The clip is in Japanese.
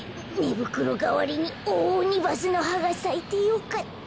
ぶくろがわりにオオオニバスのはがさいてよかった。